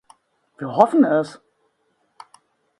Wir hoffen es.